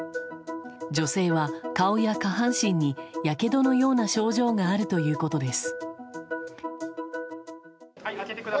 女性は顔や下半身にやけどのような症状があるということです。